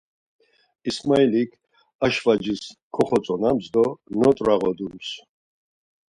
İsmailik ar şvacis koxotzonams do not̆rağodums.